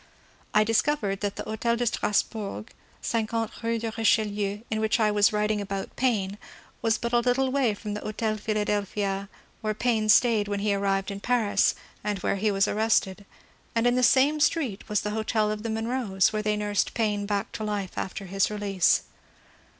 I discovered that the Hotel de Strasbourg, 50 Bne de RicheUeu, in which I was writing about Paine, was but a little way from the Hotel Philadel phia, where Paine staid when he arrived in Paris, and where he was arrested ; and in the same street was the hotel of the Monroes, where they nursed Paine back to life after his release.